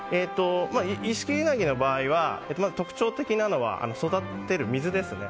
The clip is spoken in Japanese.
一色うなぎの場合は特徴的なのは育てる水ですね。